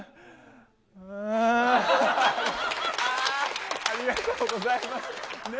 ありがとうございます。ね？